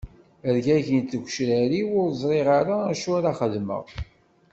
Rgagint tgecrar-iw ur ẓriɣ ara acu ara xedmeɣ.